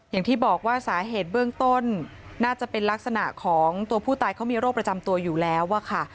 อย่างที่บอกว่าสาเหตุเบื้องต้นน่าจะเป็นลักษณะของตัวผู้ตายเขามีโรคประจำตัวอยู่แล้วอะค่ะ